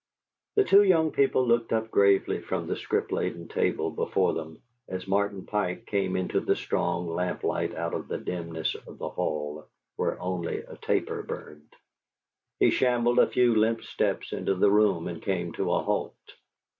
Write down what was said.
The two young people looked up gravely from the script laden table before them as Martin Pike came into the strong lamplight out of the dimness of the hall, where only a taper burned. He shambled a few limp steps into the room and came to a halt.